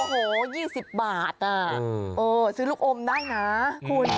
โอ้โห๒๐บาทซื้อลูกอมได้นะคุณ